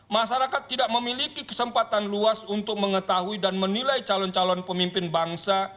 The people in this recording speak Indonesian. masyarakat tidak memiliki kesempatan luas untuk mengetahui dan menilai calon calon pemimpin bangsa